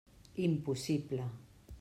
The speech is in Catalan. Impossible!